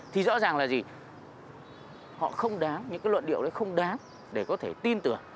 thì rõ ràng là gì họ không đáng những cái luận điệu đấy không đáng để có thể tin tưởng